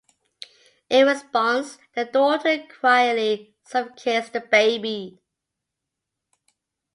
In response, the Daughter quietly suffocates the Baby.